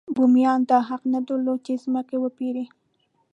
بومیانو دا حق نه درلود چې ځمکې وپېري.